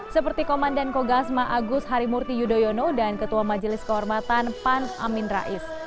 seperti komandan kogasma agus harimurti yudhoyono dan ketua majelis kehormatan pan amin rais